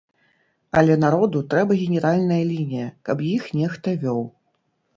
Але народу трэба генеральная лінія, каб іх нехта вёў.